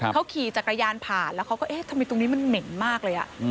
เขาขี่จักรยานผ่านแล้วเขาก็เอ๊ะทำไมตรงนี้มันเหม็นมากเลย